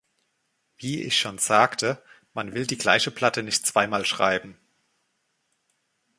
Wie ich schon sagte, man will die gleiche Platte nicht zweimal schreiben.